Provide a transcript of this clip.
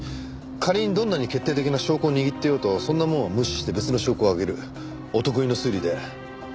仮にどんなに決定的な証拠を握っていようとそんなものは無視して別の証拠を挙げるお得意の推理で。